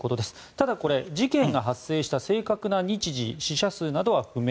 ただ、これ事件が発生した正確な日時死者数などは不明。